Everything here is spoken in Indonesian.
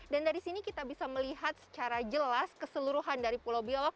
dan dari sini kita bisa melihat secara jelas keseluruhan dari pulau biawak